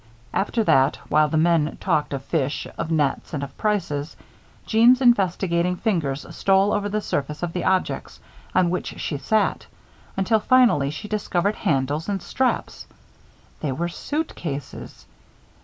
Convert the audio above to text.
After that, while the men talked of fish, of nets, and of prices, Jeanne's investigating fingers stole over the surface of the objects on which she sat, until finally she discovered handles and straps. They were suitcases!